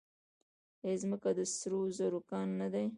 آیا ځمکه د سرو زرو کان نه دی؟